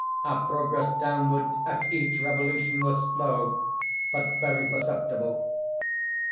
Our progress downward, at each revolution, was slow, but very perceptible.